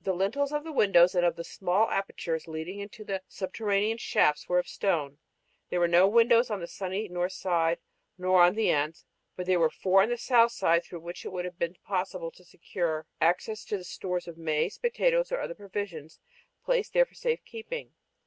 The lintels of the windows and of the small apertures leading into the subterranean shafts were of stone. There were no windows on the sunny north side or on the ends, but there were four on the south side through which it would have been possible to secure access to the stores of maize, potatoes, or other provisions placed here for safe keeping.